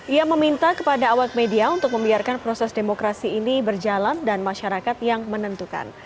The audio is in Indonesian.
ia meminta kepada awak media untuk membiarkan proses demokrasi ini berjalan dan masyarakat yang menentukan